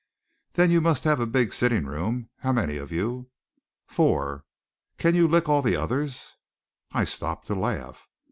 "Then you must have a big sitting room. How many of you?" "Four." "Can you lick all the others?" I stopped to laugh.